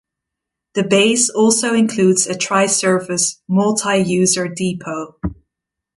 The base also includes a tri-service "Multi-User Depot".